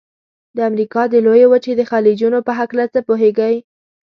د امریکا د لویې وچې د خلیجونو په هلکه څه پوهیږئ؟